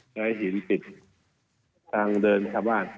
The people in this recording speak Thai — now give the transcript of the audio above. ใช้เหดียวติดทางเดินข้างบ้าน